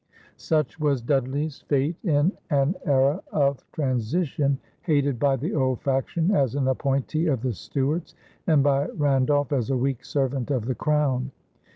Such was Dudley's fate in an era of transition hated by the old faction as an appointee of the Stuarts and by Randolph as a weak servant of the Crown.